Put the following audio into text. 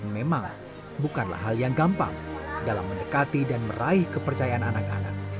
memang bukanlah hal yang gampang dalam mendekati dan meraih kepercayaan anak anak